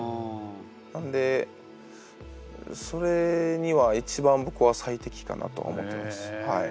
なんでそれには一番僕は最適かなと思ってます。